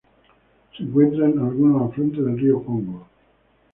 Se encuentra en algunos afluentes del río Congo.